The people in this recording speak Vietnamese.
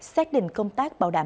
xét định công tác bảo đảm